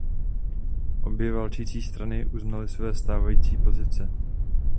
Obě válčící strany uznaly své stávající pozice.